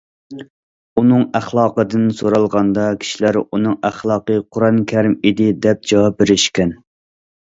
ئۇنىڭ ئەخلاقىدىن سورالغاندا، كىشىلەر:« ئۇنىڭ ئەخلاقى‹ قۇرئان كەرىم› ئىدى» دەپ جاۋاب بېرىشكەن.